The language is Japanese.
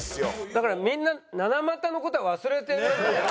だからみんな７股の事は忘れてる。